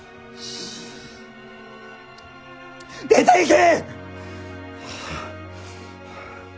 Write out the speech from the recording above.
出ていけ！